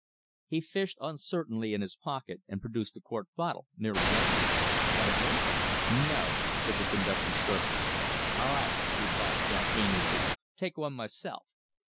He fished uncertainly in his pocket and produced the quart bottle, nearly empty, "Have a drink?" "No," said the conductor sharply. "A' right," replied Jack, amiably, "take one myself."